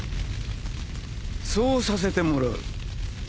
そうさせてもらう。